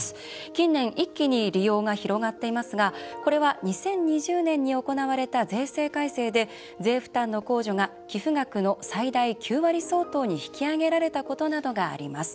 近年、一気に利用が広がっていますがこれは２０２０年に行われた税制改正で、税負担の控除が寄付額の最大９割相当に引き上げられたことなどがあります。